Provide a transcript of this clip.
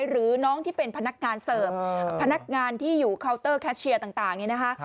หรือน้องที่เป็นพนักงานเสิร์ฟพนักงานที่อยู่เคาน์เตอร์แคชเชียร์ต่างนี่นะคะ